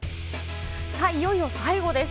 いよいよ最後です。